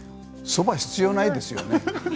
そば必要ないですよね。